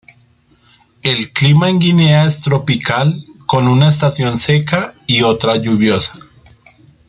El clima en Guinea es tropical, con una estación seca y otra lluviosa.